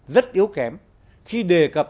rất yếu kém khi đề cập